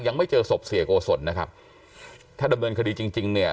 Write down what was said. ยังไม่เจอศพเสียโกศลนะครับถ้าดำเนินคดีจริงจริงเนี่ย